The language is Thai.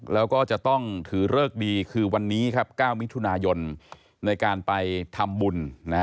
แล้วก็จะต้องถือเลิกดีคือวันนี้ครับ๙มิถุนายนในการไปทำบุญ